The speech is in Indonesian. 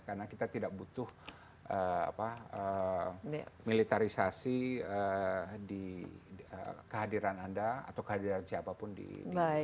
karena kita tidak butuh militarisasi di kehadiran anda atau kehadiran siapapun di laut china selatan